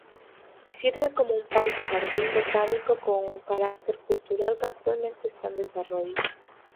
Sirve como un parque-jardín botánico con carácter cultural que actualmente está en desarrollo.